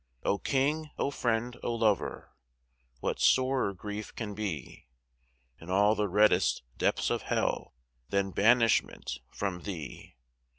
O King, O Friend, O Lover! What sorer grief can be In all the reddest depths of Hell than banishment from Thee?